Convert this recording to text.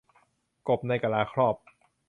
กบในกะลาครอบ